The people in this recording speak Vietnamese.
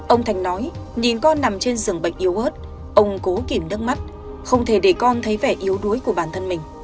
ông thành nói nhìn con nằm trên rừng bệnh yếu ớt ông cố kìm đứt mắt không thể để con thấy vẻ yếu đuối của bản thân mình